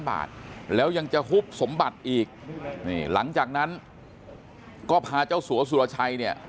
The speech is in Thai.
บาทแล้วยังจะฮุบสมบัติอีกนี่หลังจากนั้นก็พาเจ้าสัวสุรชัยเนี่ย